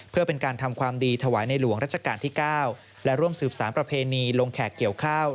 เพื่อเป็นการทำความดีถวายในหลวงรัชกาลที่๙และร่วมสืบสารประเพณีลงแขกเกี่ยวข้าว